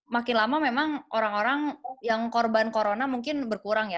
makin lama memang orang orang yang korban corona mungkin berkurang ya